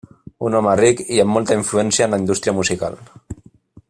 Un home ric i amb molta influència en la indústria musical.